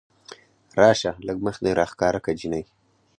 راشه لږ مخ دې راښکاره که جينۍ